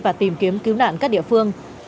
và tìm kiếm cứu nạn các địa phương